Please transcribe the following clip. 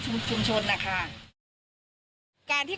เกิดว่าจะต้องมาตั้งโรงพยาบาลสนามตรงนี้